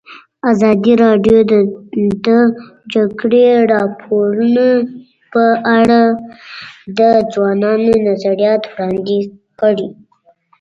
ازادي راډیو د د جګړې راپورونه په اړه د ځوانانو نظریات وړاندې کړي.